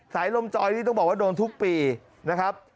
ลมจอยนี่ต้องบอกว่าโดนทุกปีนะครับ